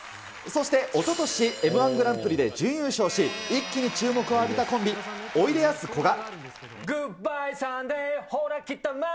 そしておととしＭー１グランプリで準優勝し、一気に注目を浴びたコンビ、おいでやすこが。